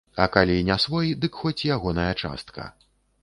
А калі не свой, дык хоць ягоная частка.